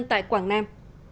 tại quảng nam